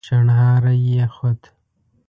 شڼهاری يې خوت.